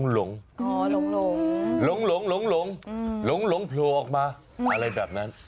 หลงหลงโผล่ออกมาอะไรแบบนั้น